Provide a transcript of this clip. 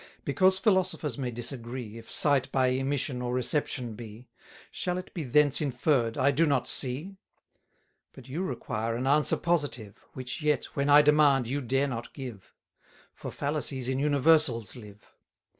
Because philosophers may disagree If sight by emission or reception be, Shall it be thence inferr'd, I do not see? But you require an answer positive, Which yet, when I demand, you dare not give; For fallacies in universals live.